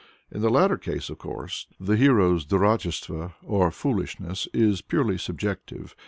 In the latter case, of course, the hero's durachestvo, or foolishness, is purely subjective.